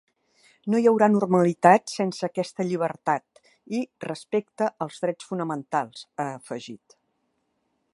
No hi haurà normalitat sense aquesta llibertat i respecte als drets fonamentals, ha afegit.